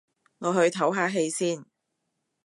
我去唞下氣先